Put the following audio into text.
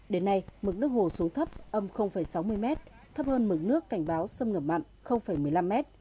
đến nay mực nước hồ xuống thấp âm sáu mươi m thấp hơn mực nước cảnh báo xâm nhập mặn một mươi năm m